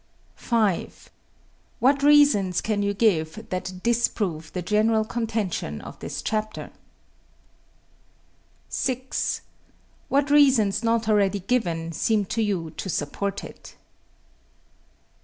5. What reasons can you give that disprove the general contention of this chapter? 6. What reasons not already given seem to you to support it?